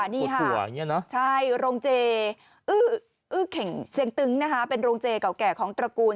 นี่ฮะใช่โรงเจอิ๊วเข่งเซียงตึ๊งนะฮะเป็นโรงเจอิ์เก่าของตระกูล